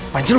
apaan sih lu